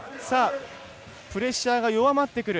プレッシャーが弱まってくる。